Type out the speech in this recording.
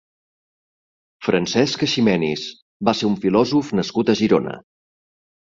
Francesc Eiximenis va ser un filòsof nascut a Girona.